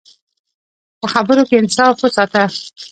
په خبرو کې انصاف وساته.